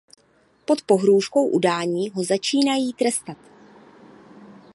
Pod pohrůžkou udání ho začínají trestat.